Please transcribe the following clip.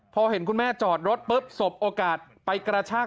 พอเห็นคุณแม่จอดรถปุ๊บสบโอกาสไปกระชาก